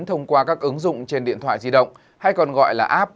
thông qua các ứng dụng trên điện thoại di động hay còn gọi là app